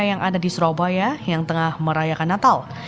yang ada di surabaya yang tengah merayakan natal